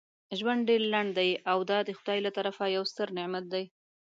ژوند ډیر لنډ دی او دا دخدای له طرفه یو ستر نعمت دی.